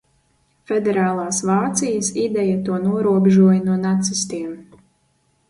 Federālas Vācijas ideja to norobežoja no nacistiem.